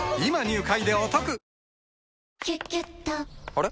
あれ？